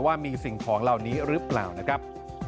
ว่ามีสิ่งของเหล่านี้หรือเปล่านะครับ